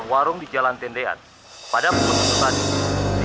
panjat berapa itu